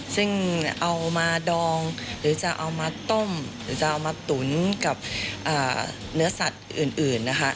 ซึ่งเอามาดองหรือจะเอามาต้มหรือจะเอามาตุ๋นกับเนื้อสัตว์อื่นนะคะ